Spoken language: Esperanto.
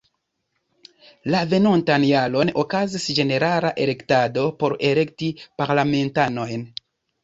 La venontan jaron okazis ĝenerala elektado por elekti parlamentanojn.